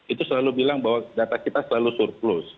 itu selalu bilang bahwa data kita selalu surplus